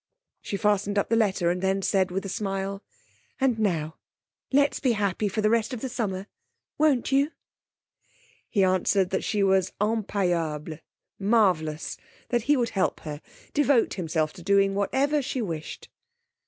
She fastened up the letter, and then said with a smile: 'And now, let's be happy the rest of the summer. Won't you?' He answered that she was impayable marvellous that he would help her devote himself to doing whatever she wished.